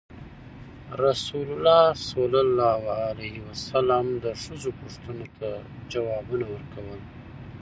رسول ﷺ د ښځو پوښتنو ته ځوابونه ورکول.